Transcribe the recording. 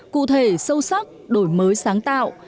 cụ thể sâu sắc đổi mới sáng tạo